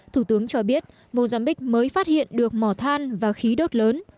thủ tướng cho biết mozambique mới phát hiện được mỏ than và khí đốt lớn